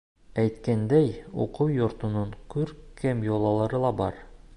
Әйткәндәй, уҡыу йортоноң күркәм йолалары ла бар.